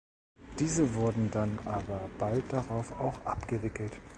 Diese wurden dann aber bald darauf auch abgewickelt.